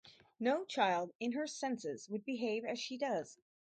No child in her senses would behave as she does.